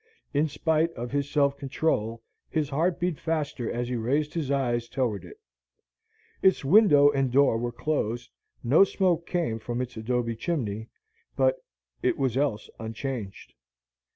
In spite of his self control, his heart beat faster as he raised his eyes toward it. Its window and door were closed, no smoke came from its adobe chimney, but it was else unchanged.